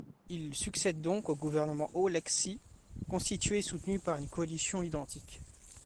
Il succède donc au gouvernement Oleksy, constitué et soutenu par une coalition identique.